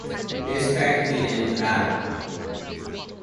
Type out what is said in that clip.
This effectively ended the battle.